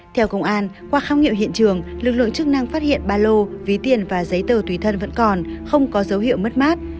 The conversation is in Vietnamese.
theo công an qua khám nghiệm hiện trường lực lượng chức năng phát hiện ba lô ví tiền và giấy tờ tùy thân vẫn còn không có dấu hiệu mất mát